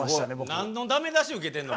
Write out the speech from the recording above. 何の駄目出し受けてんの？